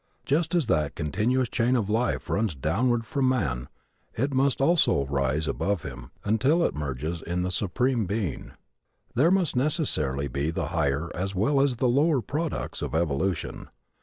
Just as that continuous chain of life runs downward from man it must also rise above him until it merges in the Supreme Being. There must necessarily be the higher as well as the lower products of evolution.